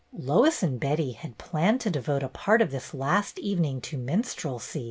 Lois and Betty had planned to devote a part of this last evening to minstrelsy.